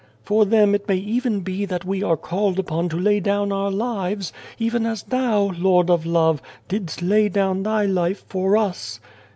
" For them it may even be that we are called upon to lay down our lives ; even as Thou, Lord of Love, didst lay down Thy life for us.